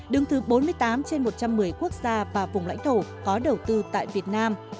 đứng thứ bốn mươi tám trên một trăm một mươi quốc gia và vùng lãnh thổ có đầu tư tại việt nam